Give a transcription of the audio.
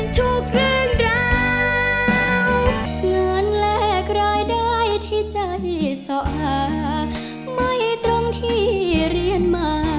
ทีมที่จะนะคือทีม